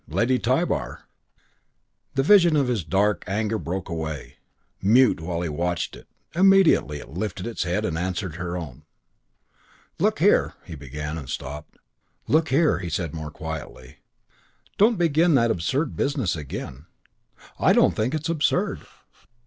"Lady Tybar." The vision of his dark anger broke away. Mute while he watched it, immediately it lifted its head and answered her own. "Look here " he began; and stopped. "Look here," he said more quietly, "don't begin that absurd business again." "I don't think it is absurd."